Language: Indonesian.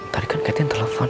tadi kan katien telepon